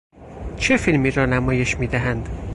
چه فیلمی را نمایش میدهند؟